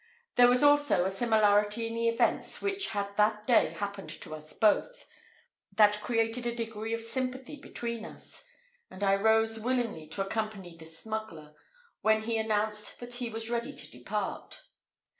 There was also a similarity in the events which had that day happened to us both, that created a degree of sympathy between us; and I rose willingly to accompany the smuggler, when he announced that he was ready to depart.